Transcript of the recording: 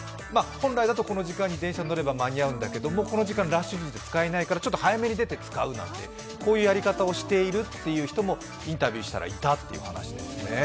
本来ならこの時間に電車に乗れば間に合うんだけれども、その時間はラッシュ時で使えないからちょっと早めに出て使うなんてこんなやり方をしている人もインタビューしたらいたということですね。